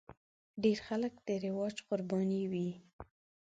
ډېر خلک د رواج قرباني وي.